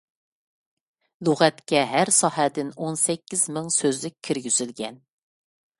لۇغەتكە ھەر ساھەدىن ئون سەككىز مىڭ سۆزلۈك كىرگۈزۈلگەن.